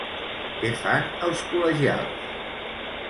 Què fan els col·legials?